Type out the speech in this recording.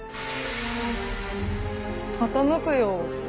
傾くよ。